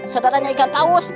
sedaranya ikan paus